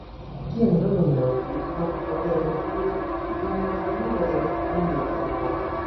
Kian rolon laŭ vi havu papera revuo en la nuna elektronika epoko?